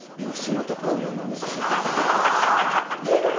吉本興業なんですよ